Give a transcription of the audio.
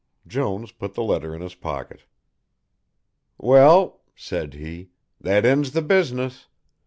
Jones put the letter in his pocket. "Well," said he, "that ends the business.